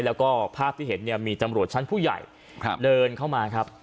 แล้วก็ภาพที่เห็นเนี่ยมีตำรวจชั้นผู้ใหญ่เดินเข้ามาครับ